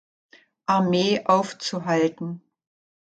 Armee aufzuhalten.